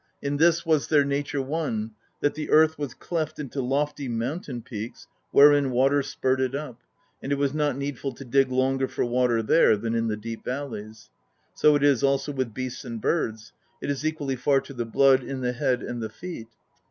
In this was their nature one : that the earth was cleft into lofty mountain peaks, wherein water spurted up, and it was not needful to dig longer for water there than in the deep valleys; so it is also with beasts and birds: it is equally far to the blood in the head and the feet.